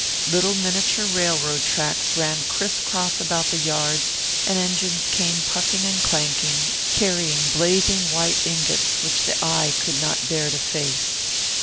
Little miniature railroad tracks ran crisscross about the yards, and engines came puffing and clanking, carrying blazing white ingots which the eye could not bear to face.